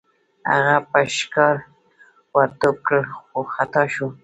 هغه په ښکار ور ټوپ کړ خو خطا شو.